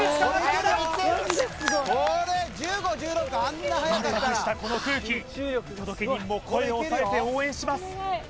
あるあるある緊迫したこの空気見届け人も声を抑えて応援します